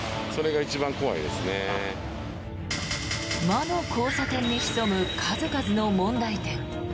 魔の交差点に潜む数々の問題点。